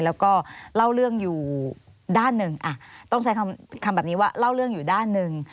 แล้วก็เล่าเรื่องอยู่ด้านหนึ่งต้องใช้คำแบบนี้ว่าเล่าเรื่องอยู่ด้านหนึ่ง